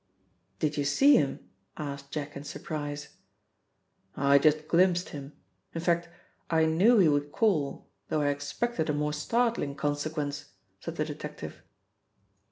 "Did you see him?" asked Jack in surprise. "I just glimpsed him. In fact, I knew he would call, though I expected a more startling consequence," said the detective.